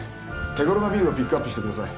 手頃なビルをピックアップしてください